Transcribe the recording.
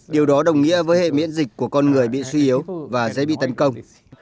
điều đó đồng nghĩa với hệ miễn dịch của con người bị suy yếu và dễ bị tấn công